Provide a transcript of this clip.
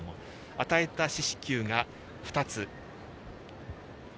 与えた四死球が２つ。